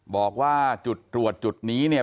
บอกว่าจุดตรวจจุดนี้เนี่ย